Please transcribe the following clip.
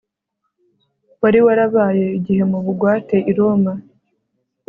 wari warabaye igihe mu bugwate i roma